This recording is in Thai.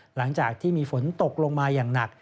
หลังจากที่มีฝนตกลงมาอย่างหนัก